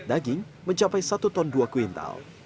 daging mencapai satu ton dua kuintal